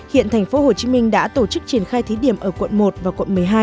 hiện tp hcm đã tổ chức triển khai thí điểm ở quận một và quận một mươi hai